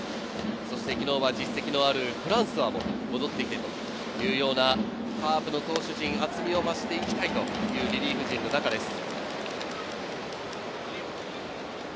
そして昨日は実績のあるフランスアも戻ってきたというような、カープの投手陣、厚みを増していきたいというリリーフ陣の中です。